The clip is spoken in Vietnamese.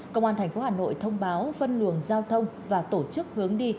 công an tp hà nội thông báo phân luồng giao thông và tổ chức hướng đi